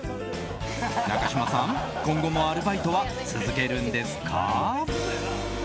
中嶋さん、今後もアルバイトは続けるんですか？